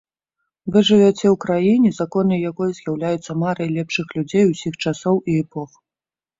Вы жывяце ў краіне, законы якой з'яўляюцца марай лепшых людзей усіх часоў і эпох.